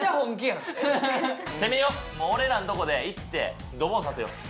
もう俺らのとこでいってドボンさせよう